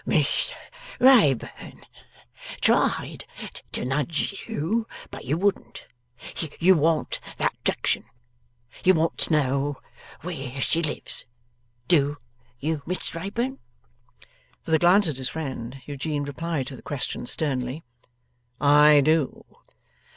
'Mist Wrayburn. Tried to nudge you, but you wouldn't. You want that drection. You want t'know where she lives. DO you Mist Wrayburn?' With a glance at his friend, Eugene replied to the question sternly, 'I do.